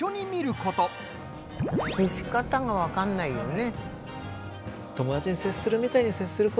接し方が分かんないよね。